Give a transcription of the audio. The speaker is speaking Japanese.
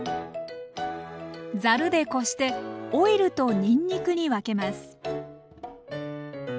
ざるでこしてオイルとにんにくに分けます。